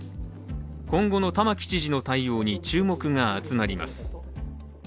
今後の玉城知事の対応に注目が集まります。